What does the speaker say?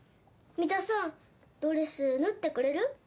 ミタさんドレス縫ってくれる？